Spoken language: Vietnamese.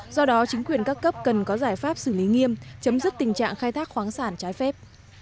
do đó chính quyền các cấp cần có giải pháp xử lý nghiêm chấm dứt tình trạng khai thác khoáng sản trái phép